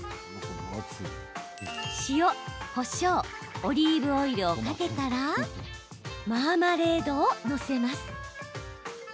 塩、こしょう、オリーブオイルをかけたらマーマレードを載せます。